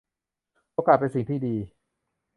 โอกาสเป็นสิ่งที่ดี